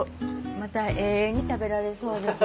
また永遠に食べられそうです。